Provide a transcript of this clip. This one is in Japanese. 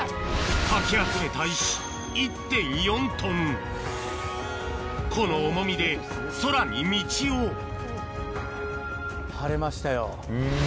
かき集めた石１．４ｔこの重みで空に道を張れましたよ。